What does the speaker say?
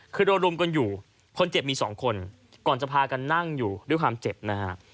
คือโดนรุมกันอยู่คนเจ็บมีสองคนก่อนจะพากันนั่งอยู่ด้วยความเจ็บนะฮะ